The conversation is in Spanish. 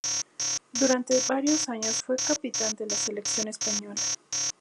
Durante varios años fue capitán de la selección española.